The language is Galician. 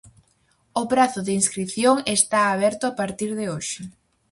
O prazo de inscrición está aberto a partir de hoxe.